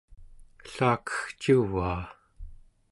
ellakegcivaa!